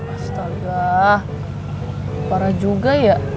astaga parah juga ya